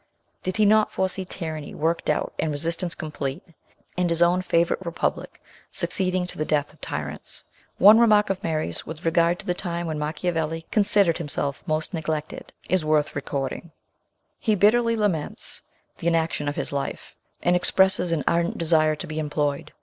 Did he not foresee tyranny worked out and resistance complete, and his own favourite republic succeeding to the death of tyrants ? One remark of Mary's with regard to the time when Machiavelli considered him self most neglected is worth recording :" He bitterly laments the inaction of his life, and expresses au ardent desire to be employed.